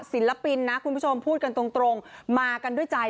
ศิลปินนะคุณผู้ชมพูดกันตรงมากันด้วยใจ